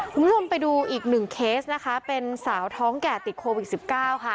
คุณผู้ชมไปดูอีกหนึ่งเคสนะคะเป็นสาวท้องแก่ติดโควิด๑๙ค่ะ